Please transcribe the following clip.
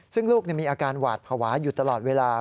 ซึ่งลูกมีอาการหวาดภาวะอยู่ตลอดเวลา